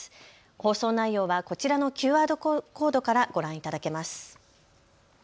放送内容はこちらのＱＲコードからご覧いただけます。